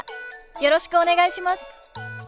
よろしくお願いします。